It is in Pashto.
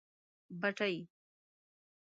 بتۍ.